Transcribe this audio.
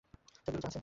ছবিতে কিছু আছে?